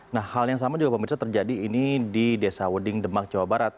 nah hal yang sama juga pemirsa terjadi ini di desa weding demak jawa barat